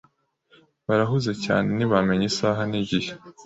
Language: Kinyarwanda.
Barahuze cyane ntibamenya isaha nigihe.